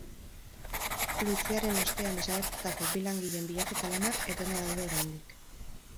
Luiziaren ostean desagertutako bi langileen bilaketa lanak etenda daude oraindik.